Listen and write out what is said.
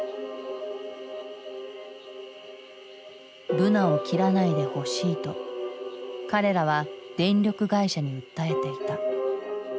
ブナを切らないでほしいと彼らは電力会社に訴えていた。